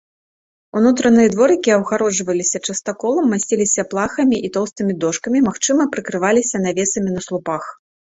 Унутраныя дворыкі абгароджваліся частаколам, масціліся плахамі і тоўстымі дошкамі, магчыма, прыкрываліся навесамі на слупах.